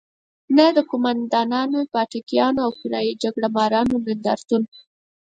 نه د قوماندانانو، پاټکیانو او کرايي جګړه مارانو نندارتون.